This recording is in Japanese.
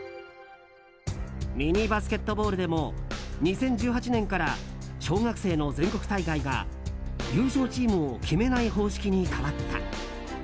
ミニバスケットボールでも２０１８年から小学生の全国大会が優勝チームを決めない方式に変わった。